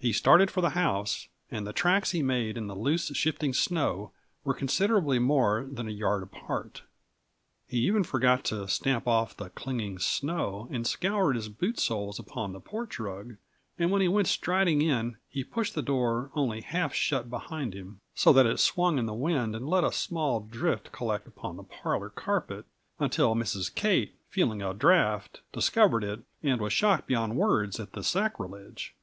He started for the house, and the tracks he made in the loose, shifting snow were considerably more than a yard apart. He even forgot to stamp off the clinging snow and scour his boot soles upon the porch rug, and when he went striding in, he pushed the door only half shut behind him, so that it swung in the wind and let a small drift collect upon the parlor carpet, until Mrs. Kate, feeling a draught, discovered it, and was shocked beyond words at the sacrilege.